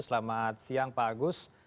selamat siang pak agus